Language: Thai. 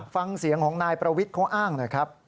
ฟังเสียงของนายประวิทย์เขาอ้างหน่อยครับ